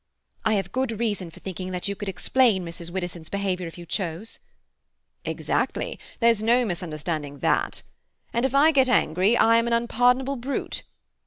"I have good reason for thinking that you could explain Mrs. Widdowson's behaviour if you chose." "Exactly. There's no misunderstanding that. And if I get angry I am an unpardonable brute.